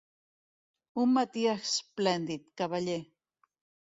Un matí esplèndid, cavaller.